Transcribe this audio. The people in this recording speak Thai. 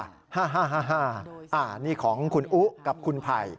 อันนี้ของคุณอุ๊กับคุณไผ่